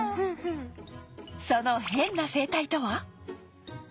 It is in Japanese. そのヘンな生態とは？